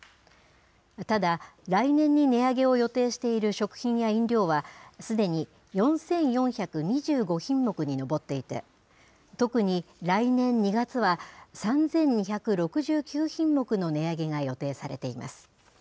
ただ、来年に値上げを予定している食品や飲料は、すでに４４２５品目に上っていて、特に来年２月は、３２６９品目の値上げが予定されています。